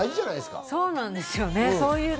そうなんですよね。